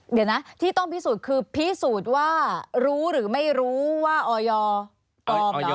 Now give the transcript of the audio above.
เดี๋ยวนะที่ต้องพิสูจน์คือพิสูจน์ว่ารู้หรือไม่รู้ว่าออยปลอมเหรอ